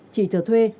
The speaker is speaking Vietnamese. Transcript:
chỉ thờ thuận